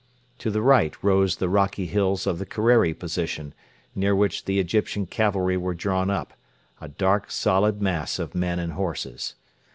To the right rose the rocky hills of the Kerreri position, near which the Egyptian cavalry were drawn up a dark solid mass of men and horses.